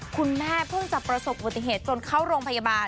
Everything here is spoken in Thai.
คุณแม่เพิ่งจะประสบอุบัติเหตุจนเข้าโรงพยาบาล